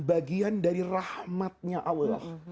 bagian dari rahmatnya allah